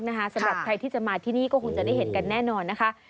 สำหรับใครที่จะมาที่นี่ก็คงจะได้เห็นกันแน่นอนนะคะ